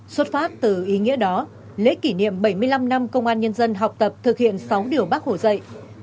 xuất phát từ ý nghĩa đó lễ kỷ niệm bảy mươi năm năm công an nhân dân học tập thực hiện sáu điều bác hồ dạy